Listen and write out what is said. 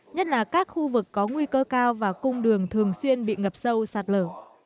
nhất là các khu vực có nguy cơ cao và cung đường thường xuyên bị ngập sâu sạt lở